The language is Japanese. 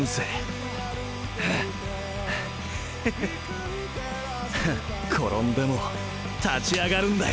転んでも立ち上がるんだよ！